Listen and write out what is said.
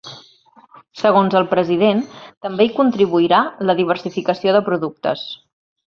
Segons el president, també hi contribuirà la diversificació de productes.